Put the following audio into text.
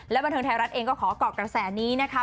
และบรรเทิงไทยรัฐเองก็ขอกอกกระแสนี้นะคะ